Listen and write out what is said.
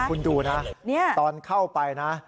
คุณดูนะตอนเข้าไปนะ